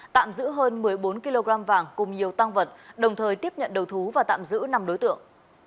tạm giữ hơn một mươi bốn kg vàng cùng nhiều tăng vật đồng thời tiếp nhận đầu thú và tạm giữ năm đối tượng